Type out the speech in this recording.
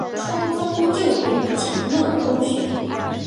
初中就读于强恕中学。